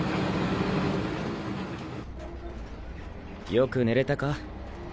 よく寝れたか？